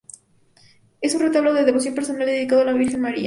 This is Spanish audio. Es un retablo de devoción personal dedicado a la Virgen María.